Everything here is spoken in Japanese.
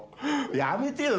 やめてよ！